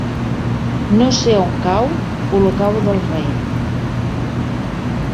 No sé on cau Olocau del Rei.